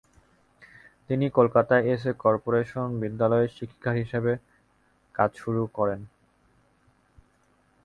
তিনি কলকাতায় এসে কর্পোরেশন বিদ্যালয়ে শিক্ষিকার হিসেবে কাজ শুরু করেন।